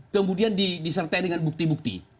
kemudian disertai dengan bukti bukti